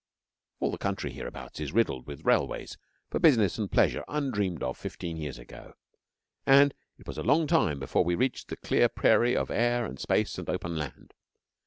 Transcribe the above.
All the country hereabouts is riddled with railways for business and pleasure undreamed of fifteen years ago, and it was a long time before we reached the clear prairie of air and space and open land.